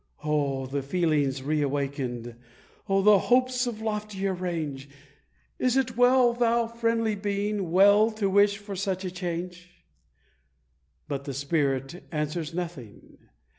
Oh, the feelings re awakened! Oh, the hopes of loftier range! Is it well, thou friendly Being, well to wish for such a change?" But the Spirit answers nothing!